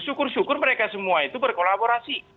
syukur syukur mereka semua itu berkolaborasi